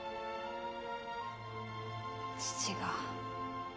父が。